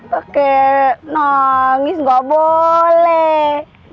pakai nangis gak boleh